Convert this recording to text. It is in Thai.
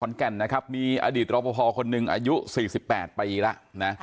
ขอนแก่นนะครับมีอดีตรอพพอคนหนึ่งอายุ๔๘ปีละ